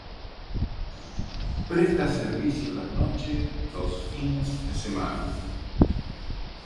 Presta servicio las noches de los fines semana.